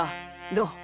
どう？